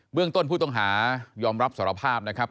เรื่องต้นผู้ต้องหายอมรับสารภาพนะครับ